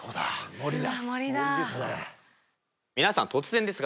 森だ。